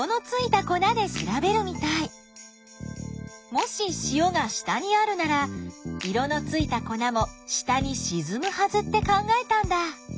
もし塩が下にあるなら色のついた粉も下にしずむはずって考えたんだ。